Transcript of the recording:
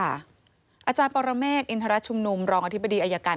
อาจารย์ปรเมฆอินทรชุมนุมรองอธิบดีอายการ